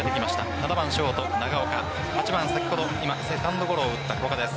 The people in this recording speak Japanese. ７番ショート・長岡８番、今セカンドゴロを打った古賀です。